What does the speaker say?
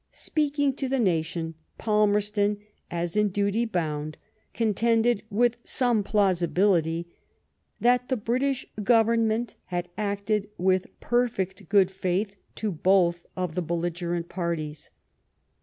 Speaking to the nation, Palmerston, as in duty bound, contended, with some plausibility, that the British Government had acted with perfect good faith to both of the belligerent parties.